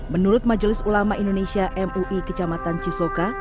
menurut majelis ulama indonesia mui kecamatan cisoka